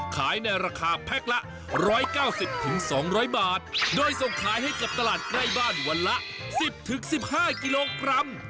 ขายในราคาแพ็คละ๑๙๐๒๐๐บาทโดยส่งขายให้กับตลาดใกล้บ้านวันละ๑๐๑๕กิโลกรัม